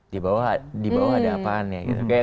di bawah ada apaan ya gitu